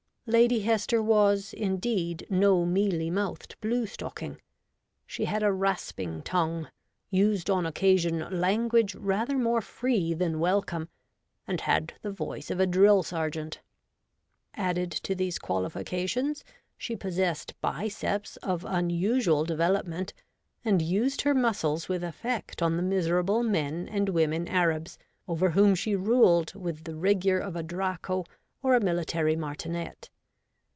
Lady Hester was, indeed, no mealy mouthed blue stocking. She had a rasping tongue, used on occasion language rather more free than welcome, and had the voice of a drill sergeant. Added to these qualifications, she possessed biceps of unusual development, and used her muscles with effect on the miserable men and women Arabs over whom she ruled with the rigour of a Draco or a military martinet.